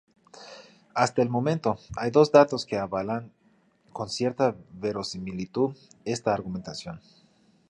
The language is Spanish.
Hasta el momento, hay dos datos que avalan con cierta verosimilitud esta argumentación.